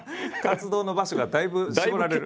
活動の場所がだいぶ絞られる。